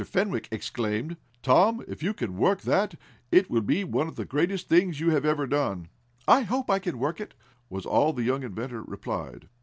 Fenwick exclaimed: "Tom, if you can work that it will be one of the greatest things you have ever done!" "I hope I can work it," was all the young inventor replied.